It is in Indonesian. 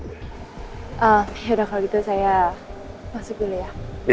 eh ya udah kalau gitu saya masuk dulu ya